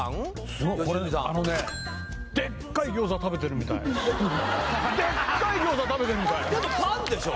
すごいこれあのね食べてるみたいでっかい餃子食べてるみたいでもパンでしょ？